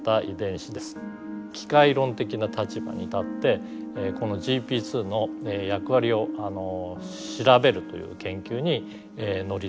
機械論的な立場に立ってこのＧＰ２の役割を調べるという研究に乗り出したわけです。